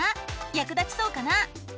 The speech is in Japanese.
役立ちそうかな？